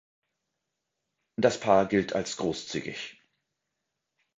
Das Paar gilt als großzügig.